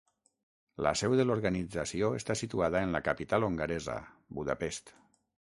La seu de l'organització està situada en la capital hongaresa, Budapest.